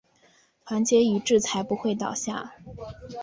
团结一致才不会倒下